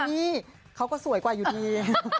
นี่เขาก็สวยกว่าอยู่ดี